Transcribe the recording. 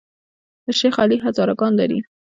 د شیخ علي هزاره ګان لري